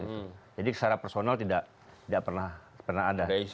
jadi secara personal tidak pernah ada